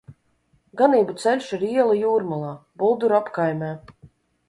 Ganību ceļš ir iela Jūrmalā, Bulduru apkaimē.